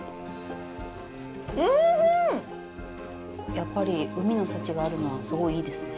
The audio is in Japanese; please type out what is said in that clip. やっぱり、海の幸があるのはすごいいいですね。